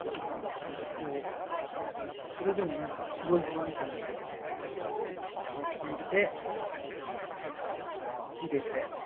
こうそれでも何かすごい不安定なんだけどこう引いて入れて。